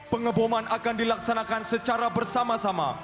pengeboman akan dilaksanakan secara bersama sama